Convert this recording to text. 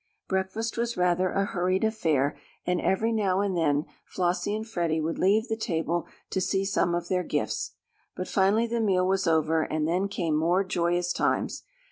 Breakfast was rather a hurried affair, and every now and then Flossie and Freddie would leave the table to see some of their gifts. But finally the meal was over and then came more joyous times.